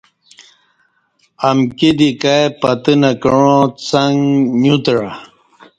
امکی دی کای پتہ نہ کعاں څݣ نیوتعہ